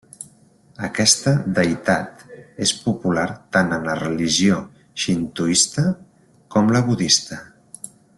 Aquesta deïtat és popular tant en la religió xintoista com la budista.